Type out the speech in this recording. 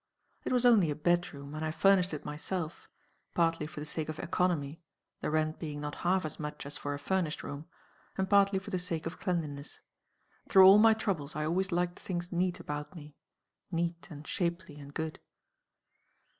It was only a bedroom; and I furnished it myself partly for the sake of economy (the rent being not half as much as for a furnished room); and partly for the sake of cleanliness. Through all my troubles I always liked things neat about me neat and shapely and good.